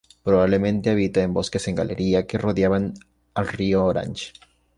Probablemente habitaba en bosques en galería que rodeaban al río Orange.